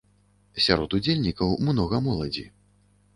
Сярод удзельнікаў многа моладзі.